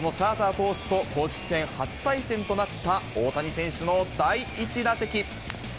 投手と、公式戦初対戦となった大谷選手の第１打席。